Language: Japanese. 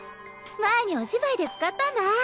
前にお芝居で使ったんだぁ。